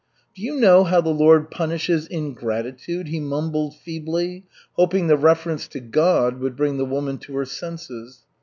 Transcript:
"Do you know how the Lord punishes ingratitude?" he mumbled feebly, hoping the reference to God would bring the woman to her senses.